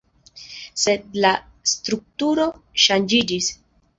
Sed la strukturo ŝanĝiĝis.